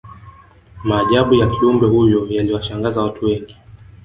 maajabu ya kiumbe huyo yaliwashangaza watu wengi